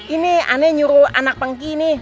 ini aneh nyuruh anak pengki nih